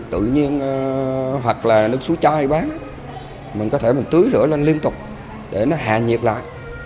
tự nhiên hoặc là nước suối chai bán mình có thể tưới rửa lên liên tục để nó hạ nhiệt lại